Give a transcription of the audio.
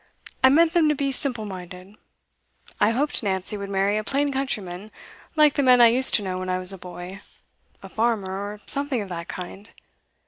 I meant them to be simple minded. I hoped Nancy would marry a plain countryman, like the men I used to know when I was a boy; a farmer, or something of that kind.